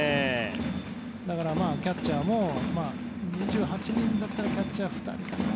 だから、キャッチャーも２８人だったらキャッチャー２人かな？